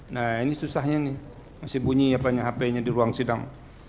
nah ini susahnya nih masih bunyi hp nya di ruang sidang